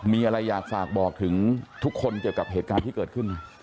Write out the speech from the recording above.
มีอะไรอยากฝากบอกถึงทุกคนเกี่ยวกับเหตุการณ์ที่เกิดขึ้น